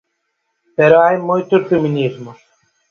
Pero hai moitos feminismos.